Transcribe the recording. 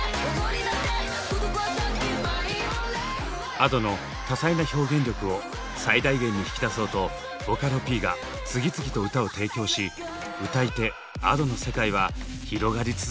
Ａｄｏの多彩な表現力を最大限に引き出そうとボカロＰが次々と歌を提供し歌い手Ａｄｏの世界は広がり続けています。